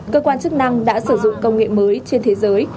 cơ quan chức năng đã sử dụng công nghệ mới trên thế giới